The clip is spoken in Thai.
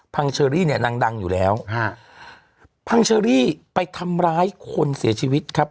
เชอรี่เนี่ยนางดังอยู่แล้วฮะพังเชอรี่ไปทำร้ายคนเสียชีวิตครับ